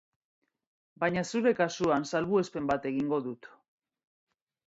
Baina zure kasuan salbuespen bat egingo dut.